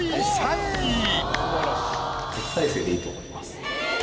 特待生でいいと思います。